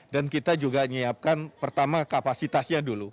dan kita juga menyiapkan pertama kapasitasnya dulu